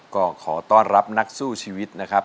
ก็ขอต้อนรับนักสู้ชีวิตนะครับ